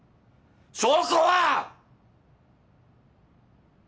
証拠は！